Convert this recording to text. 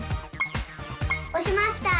おしました！